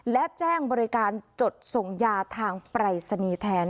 และแจ้งบริการจดส่งยาทางปรายศนีย์แทน